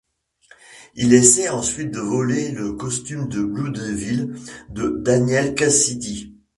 Il essaye ensuite de voler le costume de Blue Devil de Daniel Cassidy.